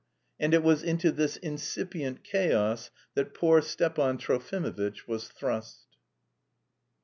And it was into this incipient chaos that poor Stepan Trofimovitch was thrust.